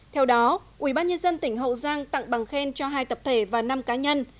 theo đó ubnd tỉnh hậu giang tặng bằng khen cho hai tập thể và năm cá nhân